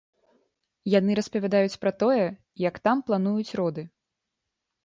Яны распавядаюць пра тое, як там плануюць роды.